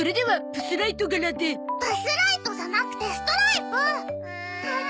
プスライトじゃなくてストライプ！